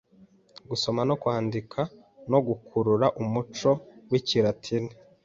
gusoma no kwandika no gukurura umuco wikilatini